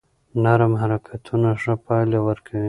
نرم حرکتونه ښه پایله ورکوي.